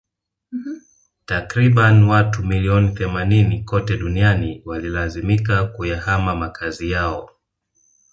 Takribani watu milioni themanini kote duniani walilazimika kuyahama makazi yao